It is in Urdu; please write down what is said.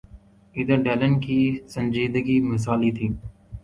ادھر ڈیلن کی سنجیدگی مثالی تھی۔